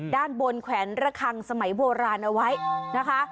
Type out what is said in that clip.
ด้านบนแขวนระคังสมัยโบราณเอาไว้นะคะ